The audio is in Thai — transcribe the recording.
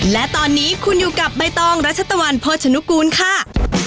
และตอนนี้คุณอยู่กับใบตองรัชตะวันโภชนุกูลค่ะ